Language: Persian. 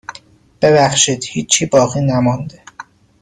ببخشید هیچی باقی نمانده.